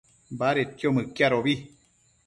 badedquio mëquiadobi